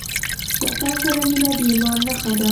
وطن سره مينه د ايمان نښه ده.